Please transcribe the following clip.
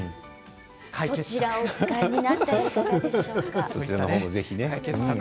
そちらを、お使いになったらいかがでしょうか。